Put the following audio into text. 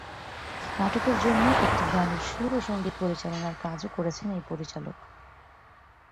নাটকের জন্য একটি গানের সুর ও সংগীত পরিচালনার কাজও করেছেন এই পরিচালক।